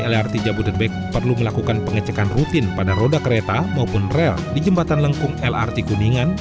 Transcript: lrt jabodetabek perlu melakukan pengecekan rutin pada roda kereta maupun rel di jembatan lengkung lrt kuningan